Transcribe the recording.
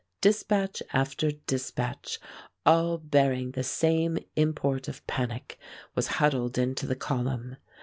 Dispatch after dispatch, all bearing the same import of panic, was huddled into the column.